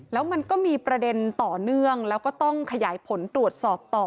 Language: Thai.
แล้วมันก็มีประเด็นต่อเนื่องแล้วก็ต้องขยายผลตรวจสอบต่อ